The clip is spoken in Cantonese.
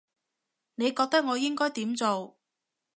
你覺得我應該點做